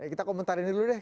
kita komentarin dulu deh